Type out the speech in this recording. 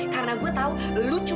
karena gue tahu lo cuma pengen berhubung